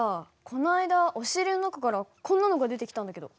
この間押し入れの中からこんなのが出てきたんだけど。